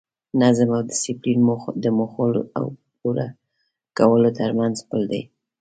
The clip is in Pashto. نظم او ډیسپلین د موخو او پوره کولو ترمنځ پل دی.